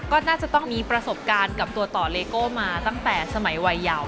ก็น่าจะต้องมีประสบการณ์กับตัวต่อเลโก้มาตั้งแต่สมัยวัยยาว